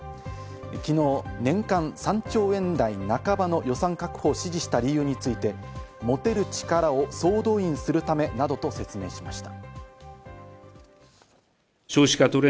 きのう、年間３兆円台半ばの予算確保を指示した理由について、持てる力を総動員するためなどと説明しました。